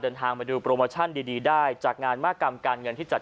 เดินทางมาดูโปรโมชั่นดีได้จากงานมากรรมการเงินที่จัด